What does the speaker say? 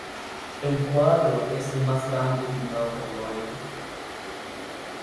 El cuadro es el más grande pintado por Goya.